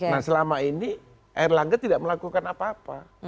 nah selama ini erlangga tidak melakukan apa apa